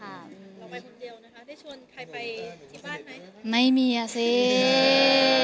เราไปคนเดียวนะคะได้ชวนใครไปที่บ้านไหม